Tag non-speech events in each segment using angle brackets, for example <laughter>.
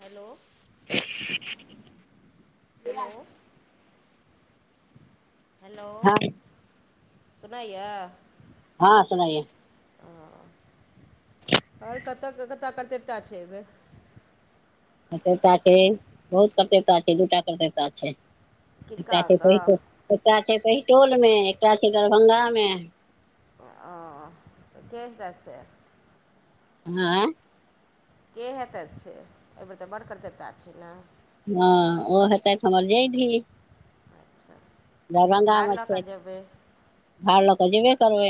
Hello <inaudible> hello हँ hello सुनाइ यप्पऽ हँऽ‌ सुनाई य ओ आओर कतऽ कतऽ देवता छैय एहिबेर? <unintelligible> किनका एकटा <unintelligible> ओतऽ एकटा छैय पहिटोलमे एकटा छैय दरभंगामे। ओ त <unintelligible> हँ के हेतैथ से एहि बेर तऽ बड़का देवता छैय ने? हँ ओ हेतैथ हमर ज़ैदी। त दरभंगामे छैय। भार लऽ कऽ जेबे करबै।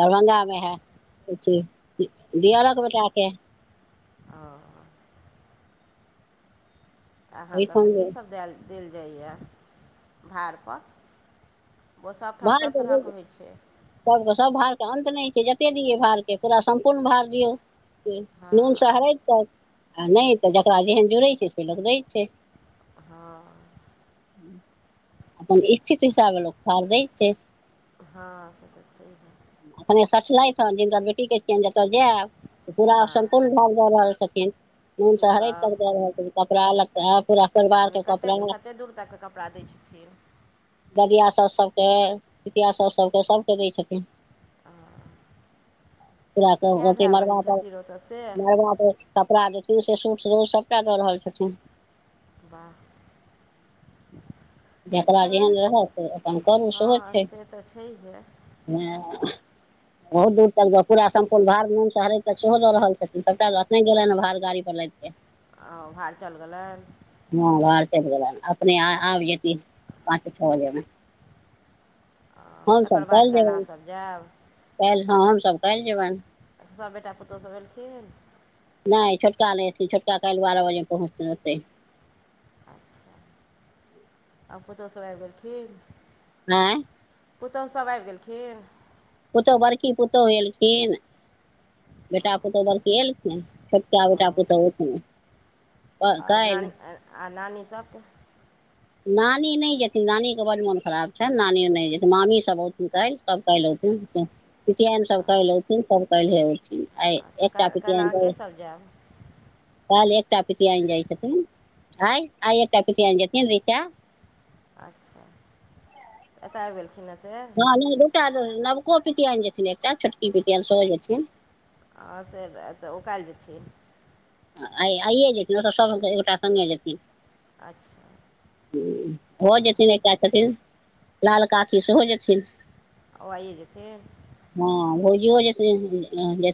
दरभंगामे है दिअरक बेटाके। ओ अहाँ सभके ओहिठाम जे कीसभ देल देल जाइए भाड़पर? ओ सभठाम भार सभ प तरहके <unintelligible> होइ छै सबके सब भारके अन्त नहि छैय जतेक दियै भारके पूरा सम्पूर्ण भार दियौ। से हँ नूनसँ हरैत तक आ नहि तऽ जकरा जेहन जुड़ै छैय से लोक दैत छैय। हँ अपन इथित हिसाबे लोक भरा दै छैय। हँ से त छैहे। अपखने सठलथि ह दिनकर बेटी कह छियनि जतऽ जायब। पूरा हँ संपूर्ण भार द रहल छथिन नून स हरैद तक कीसभ द रहल छथिन कपड़ा लत्ता। पूरा मने परिवारके कपड़ा कतेक कतेक दूर तक कपड़ा दैत छथिन। दादीआ शास सबके जितिया श सबके सभके दै छथिन। तऽ फर कऽ अथी बहिन मरब तऽ छथिन ओतऽ से मरबा तऽ कपड़ा जेथिन से सूटू सभटा दऽ रहल छथिन। वाह जेकरा आओर जेहन रहत अपन करू सेहो हँ छैय से तऽ छैहे हँ। बहुत दूर तक पूरा संपूर्ण भारहर सेहो द रहल छथिन तबने गेले ह ने भड़ गाड़ी पर ल <unintelligible> आ भार चलि गेलनि? हँ भार चैल गेलय अपने आब पाँच छ बजेमे। आ तकर हमसभ बाद कालहि काल्हि जेबनि अहाँसभ जायब काल्हि हँ हमसभ कायलहि जेबनि। सभ बेटा पुतहुसभ एलखिन? नहि छोटका नहि छोटका काएल छोटका बारह बजे पहुँचतै। अचछा आब पुतहु सभ आबि गेलखिन? आँय? पुतहु सब आबि गेलखिन? पुतहु बड़की पुतहु एलखिन बेटा पुतहु बड़की एलखिन। छोटका ओ बेटा पूतहु <unintelligible> आओर नानी आ नानी सभ? नानी नहि एथिन नानीके बड मोन खराब छनि नानी नहि जेथिन मामीसभ बहुथिन कायल। सब कालही एथिन पितीयानि सब कल्ही एथिन। ऐय तऽ एकटा काल्हि काल्हि पतियन अहाँ केसभ जायब काल्हि एकटा पतियानि जाइ छथिन आइ आइ एकटा पतियानि जेथिन रीचा अच्छा एतऽ आबि गेलखिन ह से हँ दूटा नवको पितियन जेथिन एकटा छोटकी पितियान सेहो जेथिन हँ से तऽ ओकालि जेथिन आ आइए जेति ओ स सभ एकोटा सङ्गे जेति अछा भ जेथिन एकटा छथिन लाल ककी सेहो जेथिन ओ आइए जेथि हँ भोजी ओ जे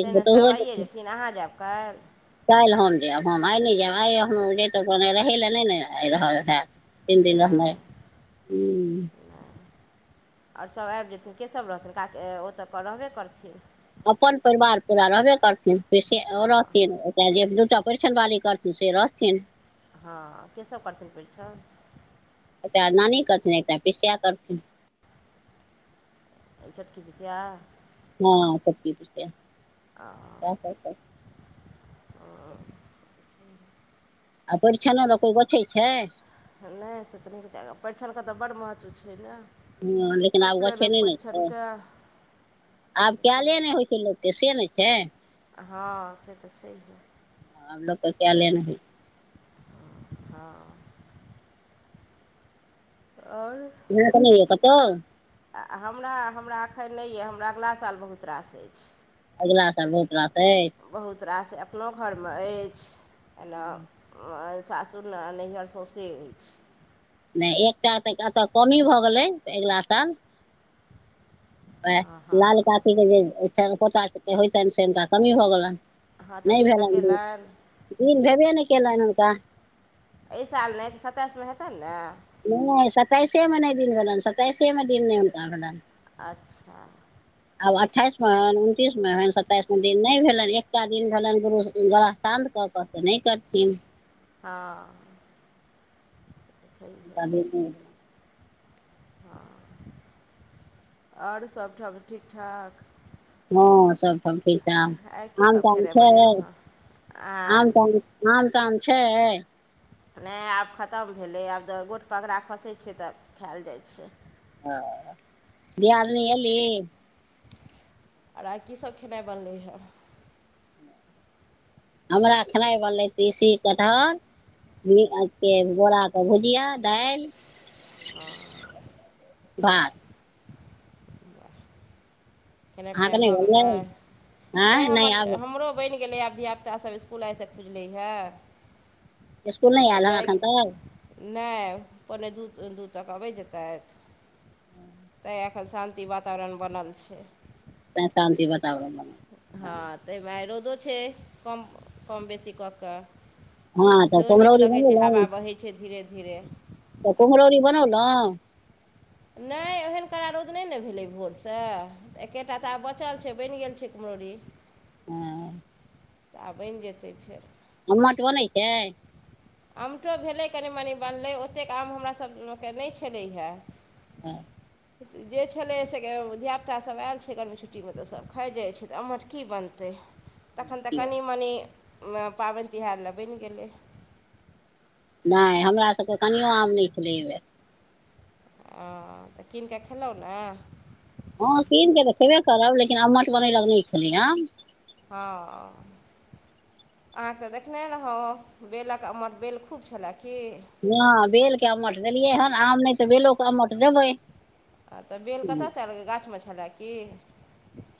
से नै सभ आइए जेथिन अहाँ जायब काल्हि काल्हि हम जायब हम आइ नहि जायब आइ हम जेतहुने रहै लए नहि ने आ रहल हैत तीन दिन रहनाइ नय हूँ नय आओर सब आबि जेथिन के सब रहथिन क ओतऽ रहबे करथिन अपन परिवार पूरा रहबे करथिन ओ रहथिन त जे दूटा परैछन बाली करथिन से रहथिन हँ के सब करथिन परिछन एकटा नानी करथिन एकटा पिसिया करथिन एहिसट कि किस आ <unintelligible> हँ <unintelligible> सएह सब करथिन आ <unintelligible> आ परिछनो ने कोइ गछै छै नहि से तनीक जगह परिछन के तऽ बड महत्व छलै न हँ लेकिन आब गछै नै ने छाय आब कएले नहि होइ छै लेतै से नहि छै हँ से तऽ छैहे हाँ आब लोकके केएले नाय होय छै हँ आओर न त नहि हए कतऽ <unintelligible> आ हमरा हमरा एखन नहि अऽ हमरा अगिला साल बहुत रास अछि अगिलाँ साल बहुत रासइ अछ बहुत रास अपनो घरमे अछि एना सासुर नैहर सौंसे अछि नहि एकटा तऽ कतऽ कमी भऽ गेलै अगिला साल आए हँ लाल कातीके जेनि पोताके होइततनि से हुनका कमी होऽ हँ गेलनि <unintelligible> तऽ नहि दिन भेलनि तकेलनि दिन दिन भेबे नहि कयलनि हुनका एहि साल नै तै सताइसमे हेतै ने नहि सताइसे मे नहि दिन भेलनि सताइसे मे दिन नहि हुनका भेलनि अच्छा आब अट्ठाइसमे हइनि उनतिसमे हनि सत्ताइसमे दिन नहि भेलनि एकटा दिन भेलनि गुरु गोड़ह साँझके पत नहि करथिन हँ छैहे ते <unintelligible> हँ और सभठाम ठीक ठाक <unintelligible> आम ताम आइ की सब खेनाइ छै बनेलहुँ हँ आँ आम आम ताम छै नहि आब खत्म भेलै आब तऽ गोट पकड़ा खसैत छियै तऽ खायएल जाइत छै <unintelligible> दियादनी एली आइ की सभ खेनाइ बनलै हे हमरा खेनाइ बनलै त देशी कटहर <unintelligible> भुजिया दाइल <unintelligible> भात <unintelligible> खेनाइ पिनाइ अहाँके नहि भऽ गेलै बनलै <inaudible> आँय नहि हमर आब हमरो बनि गेलै अब ऐकरा सब स्कूल आइसँ खुजलै <inaudible> हँ इसकुल नहि तऽ आयल हन एखन जाइ तक ना पोन्ने दू दू तक अबैत जैतैथ तै एखन शांति वातावरण बनल छै तै शांति हँ तऽमे रोदो छै कम कम बेसी कऽ कऽ हँ तब सेहो नीक कुम्हरौरी लगैत छै हवा बनेलहुँ बहै छै धीरे धीरे तऽ कुम्हरोरी बनौ न नाए एहन करा रौद नहि ने भेलै भोरसँ एकेटा तऽ आब बचल छै बनि गेल छै कुम्हरोरी हँ तऽ बैन जेतै फेर अमठ बनै छै अमठो भेलै कनि मनि बनलै ओतेक आम हमरा सभके नहि छलैहा हँ जे छलै से धियापुतासभ आयल छै गर्मी छुट्टीमे तऽ सभ खाइ जाइत छै तऽ अमठ की बनतै तखन तऽ कनि मनि पाबन तिहार ल बनि गेलै नहि हमरा सबके कनिओ आम नहि छलै आऐ बेर अ तऽ कीन कऽ खेलहुँ ने हँ कीन कऽ तऽ खेबे करब लेकिन अमठ बनेलक नहि छैलै आम हँ <unintelligible> अहाँके तऽ देखने रहौ बेलक अमठ बेल खूब छ्लाह की हँ बेलके अमठ देलियै हन आम नहि तऽ बेलोके अमठ देबै आ तऽ बेल कतयसँ आयलै गाछमे छलाह की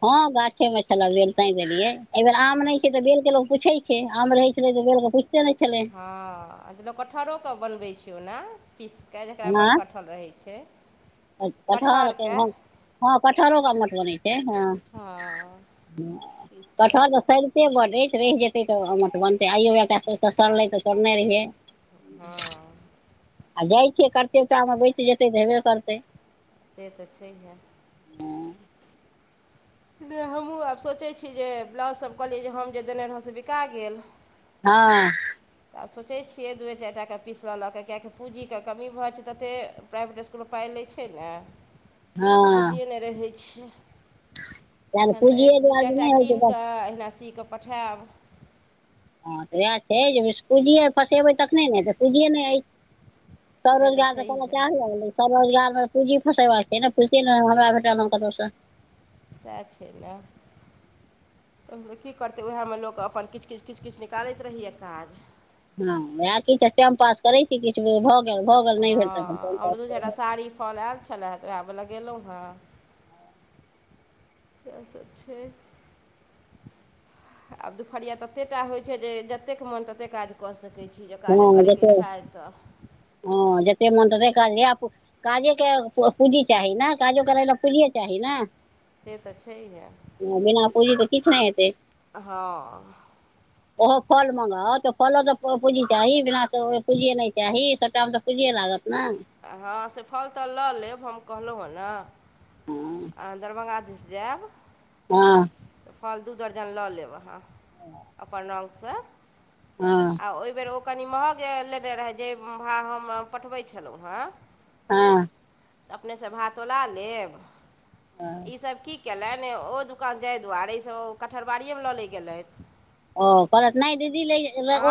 ह गाछे मे छल बेल त देलियै एहि बेर आम नहि छै तऽ बेल के लोग पूछे छै आम रहे छले त बेल के पूछ <unintelligible> ह लोक कटहरोके बनबै छै ओना पीस कऽ जकरा बड़ कटहल रहै छै कटहरके हँ कटहरोके अमठ बनै छै हँ हँ <unintelligible> पीस कऽ कटहल सरतै बड एछ रहि जेतै तऽ बनतै आइयो एकटा सड़लै तऽ तोड़ने रहियै <inaudible> हँ आ जाइ छियै कतेक टा मे बइज जेतै तऽ हेबे करतै से तऽ छैहे हम हूँ आब सोचैत छी जे ब्लाउजसभ कहलियै जे हम जे देने रहै से बिका गेल हँ तऽ आब सोचैत छियै दुए चारि टाके पीस लेलऽ लऽ कऽ कियकि पूँजीके कमी भऽ छै ततेक प्राइभेट इसकुलमे पाइ लै छै ने तऽ हँ पुजिए नहि रहै छैियै तैं ने तखन तऽ पूँजिये अछि दू दुआरे चारि टा नहि होइ छै कीनि बस कऽ अहिना सी कऽ पठायब हँ तऽ उएह छै जे पूजीए फँसेबै तखने ने तऽ पूजियए ने अछि सब से तऽ रोजगार त क च छैहे लागल सब रोजगारमे पूँजी फसेबाक छै ने पू नहि हमरा भेटलमे कतहुसँ सएह छल नेए की करतै उएहमे लोक अपन किछु किछु किछु किछु निकालैत रहैए काज हँ उएह किछु टाइम पास करैत छी किछु भऽ गेल भऽ गेल नहि भेल तऽ अपन टाइम प कारी फल आयल च त आब‌ गेलेलहु हँ इएह सभ छै आब दुपहरिया ततेक टा होइत छै जे जतेक मोन ततेक काज कर छै कऽ सकै छी जे काज हँ करै के जते इक्छाय तऽ हँ जते मोन तते काज आ काजे के पूँजी चाही ने काजो करै लए पूजियए चाही ने से तऽ छैहे ह बिना पूँजी त किछ नहि हेतै हँ ओहो फल मंगाउ तऽ फल त पूँजी चाही बिना तऽ पूजिए नहि चाही सभटामे तऽ पूजिये लागत ने हँ से फल तल लऽ लेब हम कहलहुँ हेँ ने आ दरभंगा दिस जाएब हँ तऽ फल दू दर्जन लऽ लेब अहाँ अपन नाम सऽ हँ आ ओहि बेर ओ कनि महग लेने रहए जेभाव हम पठबैत छलहुँ हेँ हँ त अपनेसँ भा तोल लेब हँ ईसभ की केलनि ओ दुकान जाय दुआरे से कटहरबाड़िए मे लऽ ले गेलथि ओ कहलत नाई दीदी लै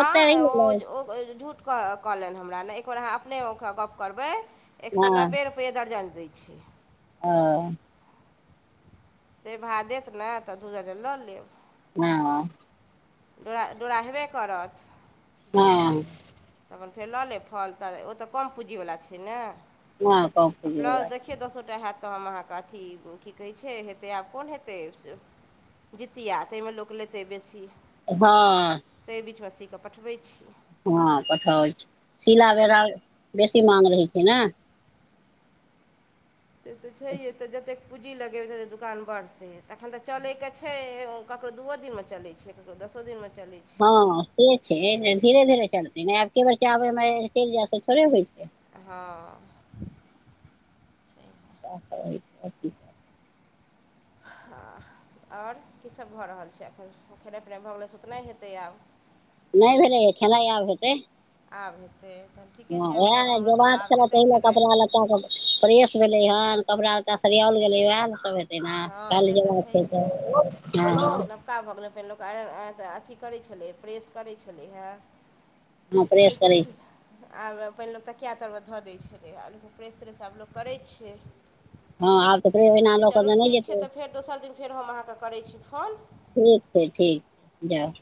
ओतय रहि ओ झूठ कहलनि हमरा नहि एक बेेर अहाँ अपने ओरा गप करबै एक सए हँ नब्बे र रुपैेए दर्जन दै छै आ से भा देत ने तऽ दू दर्जन लऽ लेब हँ डोड़ा डोड़ा हेबे करत हँ त अपन फेर लऽ लेब फल तल ओ तऽ कम पूँजीवला छै ने हँ कम आ पुजी ब्लाउज वला देखियौ दसोटा हैत तऽ हम अहाँके अथी की कहैत छै हेतै आब कोन हेतै जतिया ताहिमे लोक लेतै बेसी हँ ताहि बीच मे सीके पठबैत छी हँ पठाबे छि सिला बेरा बेसी माग रहैत छै ने से तऽ छैे तऽ जतेक पूँजी लगेबै तऽ दुकान बढ़तै तखन तऽ चलैके छै ककरो दूओ दिनमे चलै छै तब त दसो दिन मे चली हँ से छै धीरे धीरे चलतै नहि आब के बेर चबैमे चलि जाय त थोड़े होइ छै हँ <unintelligible> हँ आओर कीसभ भऽ रहल छै एखन खेनाइ पिनाइ भऽ गेलै सुतनाय हेतै आब नहि भेलै खेनाइ आब हेतै आब हेतै तन हए उहाय ल जेबाक छलाय तहि नऽ कपड़ा लता का फ्रेश भेलै हन कपड़ा लता सरियाओल गेलै उएह सब जेना हँ कल से जेबाक छै त फक्का भऽ गेलै फेर लोक आइनऽ अथी करैत छलै प्रेस करैत छलै हऽ प्रेस लेकिन करै की छी। आब पहिने लोक तऽ कए तरमे धऽ दैत छलै आ लेकिन प्रेस त्रेस आब लोक करै छै हँ आब त चलू ठीक छै तऽ फेर दोसर दिन फेर हम अहाँकेँ करै छी फोन ठीक छै ठीक छै जाउ